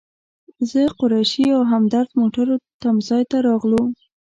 زه، قریشي او همدرد موټرو تم ځای ته راغلو.